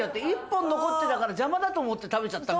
１本残ってたから邪魔だと思って食べちゃったみたいでさ。